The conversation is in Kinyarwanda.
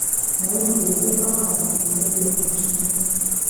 nawe mu gihe gito twamaranye namugiriyeho umugisha mwinshi